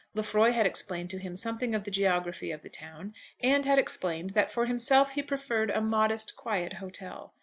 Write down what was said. Lefroy had explained to him something of the geography of the town, and had explained that for himself he preferred a "modest, quiet hotel."